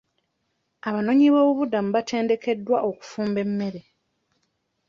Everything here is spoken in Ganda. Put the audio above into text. Abanooyiboobubuddamu baatendekeddwa okufumba emmere.